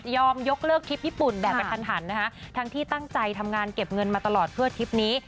ยกเลิกทริปญี่ปุ่นแบบกระทันหันนะคะทั้งที่ตั้งใจทำงานเก็บเงินมาตลอดเพื่อทริปนี้